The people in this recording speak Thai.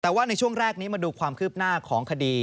แต่ว่าในช่วงแรกนี้มาดูความคืบหน้าของคดี